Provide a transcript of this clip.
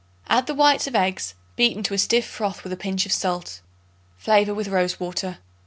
Add the whites of eggs, beaten to a stiff froth with a pinch of salt. Flavor with rose water.